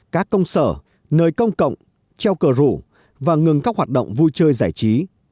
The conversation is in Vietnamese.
các công sở nơi công cộng treo cờ rủ và ngừng các hoạt động vui chơi giải trí